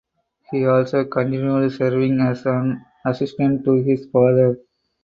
He also continued serving as an assistant to his father.